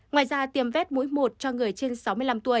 ngoài ra tiêm vét mũi một cho người trên sáu mươi năm tuổi